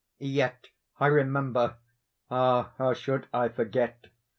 Yet I remember—ah! how should I forget?